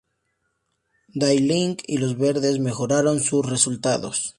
Die Linke y Los Verdes mejoraron sus resultados.